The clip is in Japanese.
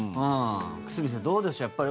久住先生、どうでしょう。